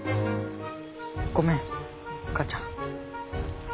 ごめん母ちゃん。